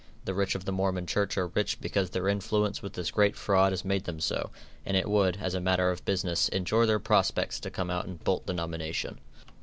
The rich of the Mormon Church are rich because their influence with this great fraud has made them so; and it would, as a matter of business, injure their prospects to come out and bolt the nomination.